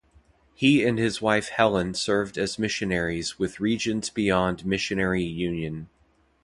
He and his wife Helen served as missionaries with Regions Beyond Missionary Union.